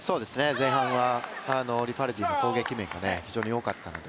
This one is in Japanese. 前半はリファルディの攻撃面が非常によかったので。